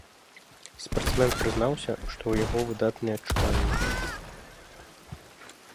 Спартсмен прызнаўся, што ў яго выдатныя адчуванні.